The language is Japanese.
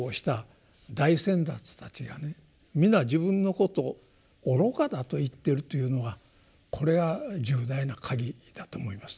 皆自分のことを愚かだと言ってるというのはこれは重大な鍵だと思いますね。